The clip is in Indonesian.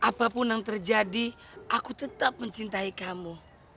apapun yang terjadi aku tetap mencintai kamu